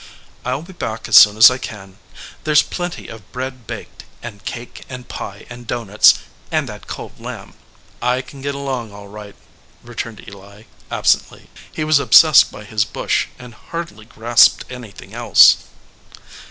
I ll be back as soon as I can. There s plenty of bread baked, and cake and pie and doughnuts, and that cold lamb." "I can get along all right," returned Eli, ab 8 105 EDGEWATER PEOPLE sently. He was obsessed by his bush and hardly grasped anything else.